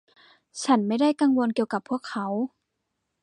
ฉันไม่ได้กังวลเกี่ยวกับพวกเขา